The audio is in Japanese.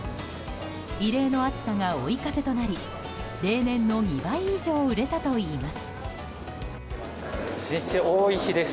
異例の暑さが追い風となり例年の２倍以上売れたといいます。